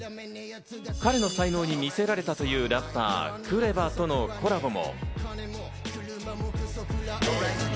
彼の才能に魅せられたというラッパー・ＫＲＥＶＡとのコラボも。